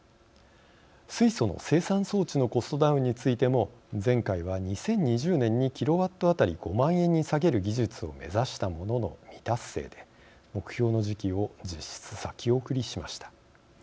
水素の生産装置のコストダウンについても前回は２０２０年にキロワット当たり５万円に下げる技術を目指したものの未達成で、目標の時期を実質先送りしました。